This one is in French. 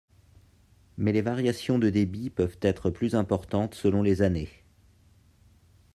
Mais les variations de débit peuvent être plus importantes selon les années.